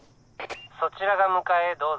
そちらが向かえどうぞ。